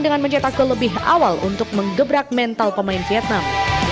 dengan mencetak gol lebih awal untuk mengebrak mental pemain vietnam